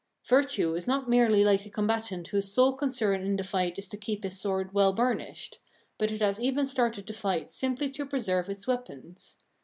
Virtue is not merely hke the combatant whose sole concern in the fight is to keep his sword weU burnished ; but it has even started the fight simply to preserve its weapons.